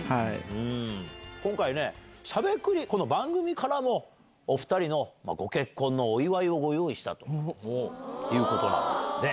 今回ね、しゃべくり、この番組からも、お２人のご結婚のお祝いをご用意したということなんですね。